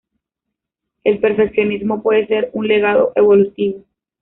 El perfeccionismo puede ser un legado evolutivo.